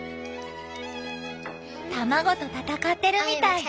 卵と戦ってるみたい。